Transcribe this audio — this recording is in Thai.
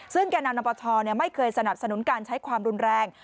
ซึ่งแก่นำนับประชาไม่เคยสนับสนุนการใช้ความรุนแรง